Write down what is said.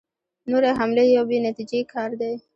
نورې حملې یو بې نتیجې کار دی.